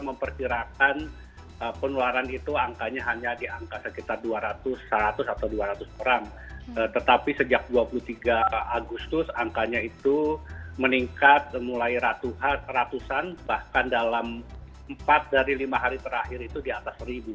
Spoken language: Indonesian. mulai ratusan bahkan dalam empat dari lima hari terakhir itu di atas ribu